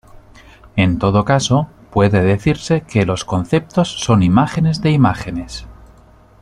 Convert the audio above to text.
En todo caso, puede decirse que los conceptos son imágenes de imágenes.